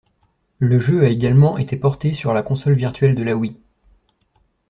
Le jeu a également été porté sur la console virtuelle de la Wii.